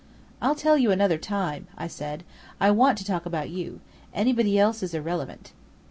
"I'll tell you another time," I said. "I want to talk about you. Anybody else is irrelevant."